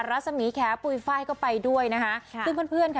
รัศมีแขปุ๋ยไฟล์ก็ไปด้วยนะคะค่ะซึ่งเพื่อนเพื่อนค่ะ